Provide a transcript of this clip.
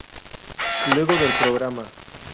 Luego del programa.